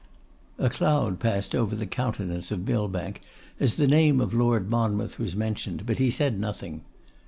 A cloud passed over the countenance of Millbank as the name of Lord Monmouth was mentioned, but he said nothing.